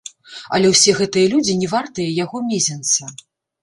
Але ўсе гэтыя людзі не вартыя яго мезенца.